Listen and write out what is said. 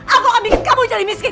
aku akan bikin kamu jadi miskin